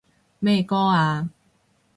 咩歌啊？